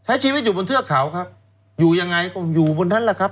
ใช้ชีวิตอยู่บนเทือกเขาครับอยู่ยังไงก็อยู่บนนั้นแหละครับ